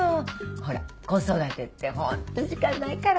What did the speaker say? ほら子育てってホント時間ないから。